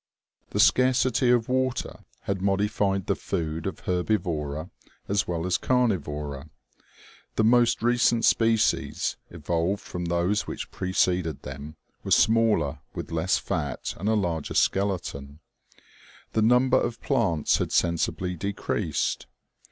The scarcity of water had modified the food of herbivora as well as carnivora. The most recent species, evolved from those which preceded them, were smaller, with less fat and a larger skeleton. The number of plants had sensibly decreased.